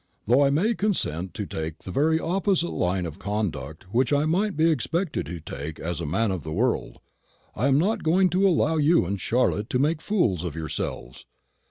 Though I may consent to take the very opposite line of conduct which I might be expected to take as a man of the world, I am not going to allow you and Charlotte to make fools of yourselves.